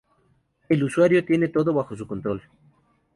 El usuario tiene todo bajo su control.